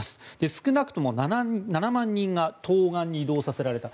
少なくとも７万人が東岸に移動させられた。